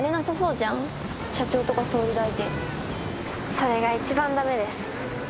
それが一番駄目です。